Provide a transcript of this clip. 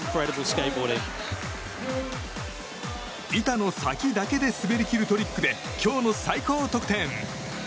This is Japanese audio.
板の先だけで滑り切るトリックで、今日の最高得点。